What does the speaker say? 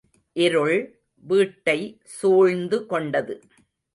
இருள் வீட்டை சூழ்ந்து கொண்டது.